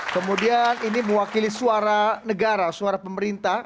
kemudian ini mewakili suara negara suara pemerintah